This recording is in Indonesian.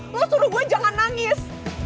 mau suruh gue jangan nangis